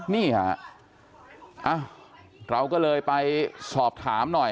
นี่ฮะเราก็เลยไปสอบถามหน่อย